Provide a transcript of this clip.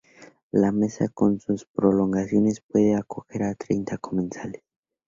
La mesa con sus prolongaciones puede acoger a treinta comensales.